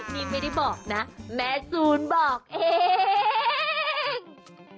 นี่ไม่ได้บอกนะแม่จูนบอกเอง